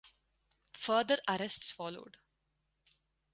Further arrests followed.